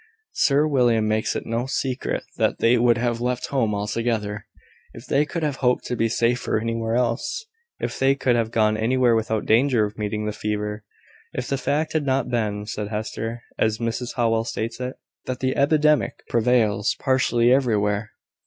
Sir William makes it no secret that they would have left home altogether, if they could have hoped to be safer anywhere else if they could have gone anywhere without danger of meeting the fever." "If the fact had not been," said Hester, "as Mrs Howell states it, that the epidemic prevails partially everywhere."